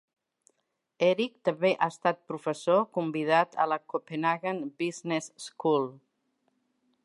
Erik també ha estat professor convidat a la Copenhagen Business School.